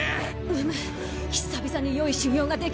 うむ久々に良い修行ができたゆえ。